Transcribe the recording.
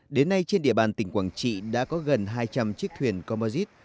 đến nay trên địa bàn tỉnh quảng trị đã có gần hai trăm linh chiếc thuyền comosite